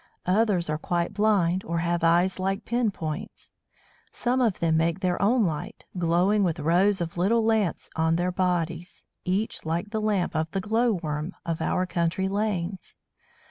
Others are quite blind, or have eyes like pin points. Some of them make their own light, glowing with rows of little lamps on their bodies, each like the lamp of the glow worm of our country lanes.